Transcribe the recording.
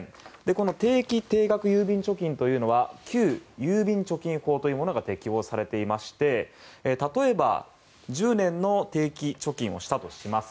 この定期・定額郵便貯金というのは旧郵便貯金法というものが適用されていまして例えば、１０年の定期貯金をしたとします。